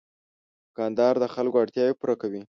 دوکاندار د خلکو اړتیاوې پوره کوي.